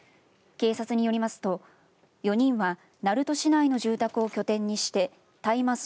警察によりますと４人は鳴門市内の住宅を拠点にして大麻草